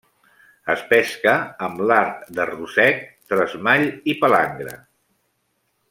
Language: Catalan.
Es pesca amb l'art de ròssec, tresmall i palangre.